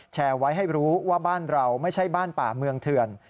แชร์ไว้ให้รู้ว่าบ้านเราไม่ใช่บ้านป่าเมืองเถื่อน